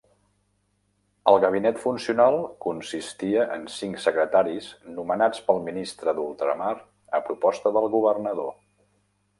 El gabinet funcional consistia en cinc secretaris nomenats pel ministre d'ultramar a proposta del governador.